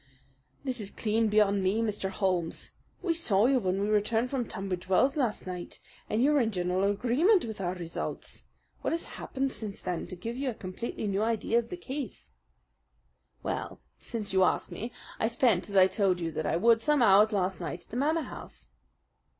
"This is clean beyond me, Mr. Holmes. We saw you when we returned from Tunbridge Wells last night, and you were in general agreement with our results. What has happened since then to give you a completely new idea of the case?" "Well, since you ask me, I spent, as I told you that I would, some hours last night at the Manor House."